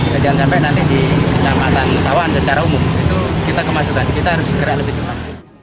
jangan sampai nanti di kecamatan sawahan secara umum itu kita kemajukan kita harus segera lebih cepat